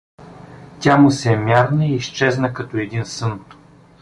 Тя му се мярна и изчезна като един сън.